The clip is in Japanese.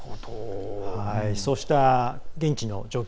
そうした現地の状況